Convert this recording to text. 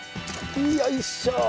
よいしょ！